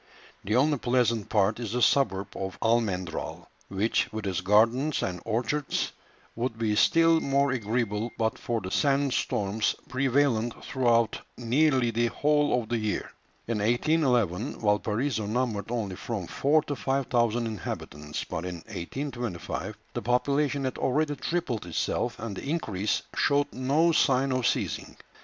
The only pleasant part is the suburb of Almendral, which, with its gardens and orchards, would be still more agreeable but for the sand storms prevalent throughout nearly the whole of the year. In 1811, Valparaiso numbered only from four to five thousand inhabitants; but in 1825 the population had already tripled itself, and the increase showed no sign of ceasing.